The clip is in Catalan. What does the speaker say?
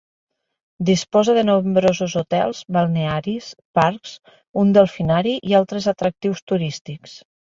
Disposa de nombrosos hotels, balnearis, parcs, un delfinari i altres atractius turístics.